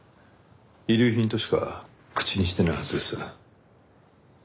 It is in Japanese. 「遺留品」としか口にしてないはずです。